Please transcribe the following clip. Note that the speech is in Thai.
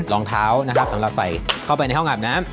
รองเท้านะครับสำหรับใส่เข้าไปในห้องอาบน้ำ